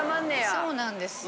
そうなんですよ。